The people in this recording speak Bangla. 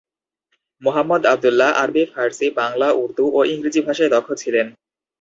মুহাম্মদ আবদুল্লাহ আরবি, ফারসি, বাংলা, উর্দু ও ইংরেজি ভাষায় দক্ষ ছিলেন।